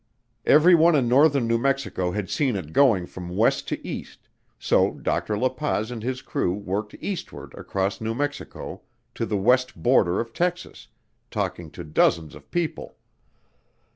Everyone in northern New Mexico had seen it going from west to east, so Dr. La Paz and his crew worked eastward across New Mexico to the west border of Texas, talking to dozens of people.